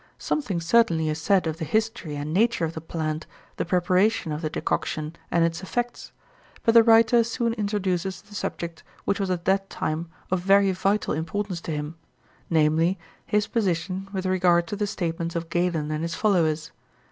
Something certainly is said of the history and nature of the plant, the preparation of the decoction and its effects; but the writer soon introduces the subject which was at that time of very vital importance to him, namely, his position with regard to the statements of Galen and his followers.